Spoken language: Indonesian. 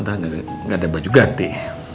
ntar gak ada baju ganti